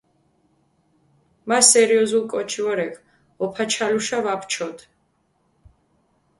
მა სერიოზულ კოჩი ვორექ, ოფაჩალუშა ვაფჩოდჷ.